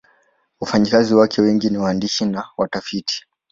Wafanyakazi wake wengi ni waandishi na watafiti.